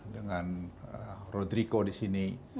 dengan rodrigo disini